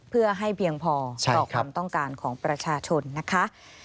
เพื่อให้เพียงพอต่อความต้องการของประชาชนนะคะ